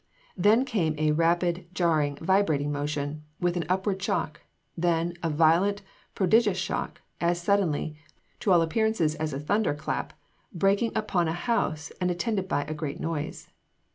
Then came a "rapid, jarring, vibrating motion," with an upward shock: then a "violent, prodigious shock, as suddenly, to all appearances as a thunderclap breaking upon a house and attended by a great noise."